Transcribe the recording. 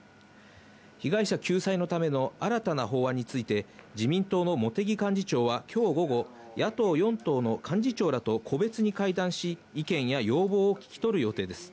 被害者救済のための新たな法案について、自民党の茂木幹事長は今日午後、野党４党の幹事長らと個別に会談し、意見や要望を聞き取る予定です。